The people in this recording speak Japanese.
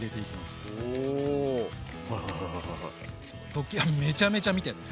ドッキーめちゃめちゃ見てるね。